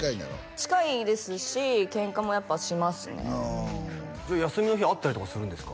近いですしケンカもやっぱしますねじゃあ休みの日会ったりとかするんですか？